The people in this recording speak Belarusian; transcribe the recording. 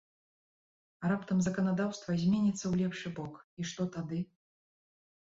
А раптам заканадаўства зменіцца ў лепшы бок, і што тады?